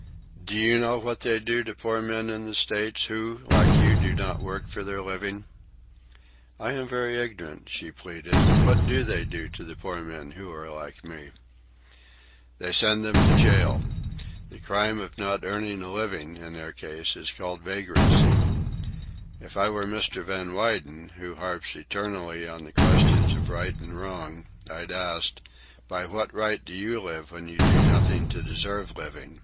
"Do you know what they do to poor men in the States, who, like you, do not work for their living?" "I am very ignorant," she pleaded. "What do they do to the poor men who are like me?" "They send them to jail. The crime of not earning a living, in their case, is called vagrancy. If I were Mr. Van Weyden, who harps eternally on questions of right and wrong, I'd ask, by what right do you live when you do nothing to deserve living?"